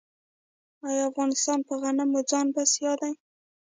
آیا افغانستان په غنمو ځان بسیا دی؟